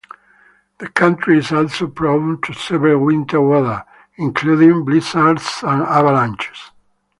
The country is also prone to severe winter weather, including blizzards and avalanches.